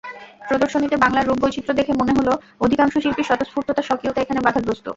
প্রদর্শনীতে বাংলার রূপ-বৈচিত্র্য দেখে মনে হলো, অধিকাংশ শিল্পীর স্বতঃস্ফূর্ততা-স্বকীয়তা এখানে বাধাগ্রস্ত।